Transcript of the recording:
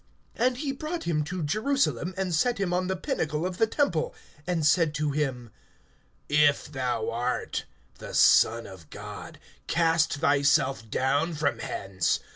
(9)And he brought him to Jerusalem, and set him on the pinnacle of the temple, and said to him: If thou art the Son of God, cast thyself down from hence.